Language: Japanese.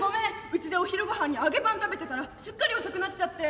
うちでお昼ごはんに揚げパン食べてたらすっかり遅くなっちゃって」。